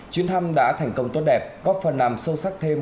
chuyến thăm đã thành công tốt đẹp có phần làm sâu sắc thêm